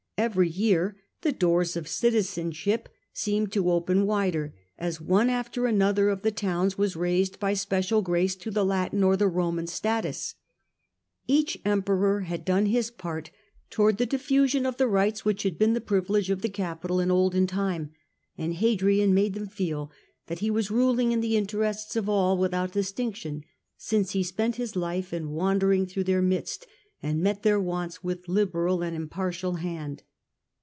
Every year the doors of citizenship seemed to open wider as one after another of the towns was raised by special grace to ^ the Latin or the Roman status. Each Emperor provinces had done his part towards the diffusion of the feif respect, rights which had been the privilege of the capital in olden time ; and Hadrian made Rome°and them feel that he was ruling in the interests j!fngu^age of all without distinction, since he spent his ^ life in wandering through their midst, and met their wants with liberal and impartial hand.